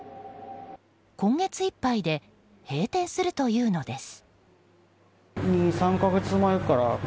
今月いっぱいで閉店するというのです。